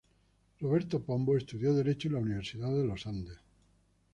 Roberto Pombo estudió Derecho en la Universidad de los Andes.